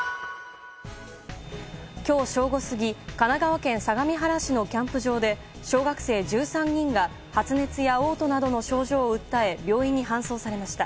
今日正午過ぎ神奈川県相模原市のキャンプ場で小学生１３人が発熱や嘔吐などの症状を訴え病院に搬送されました。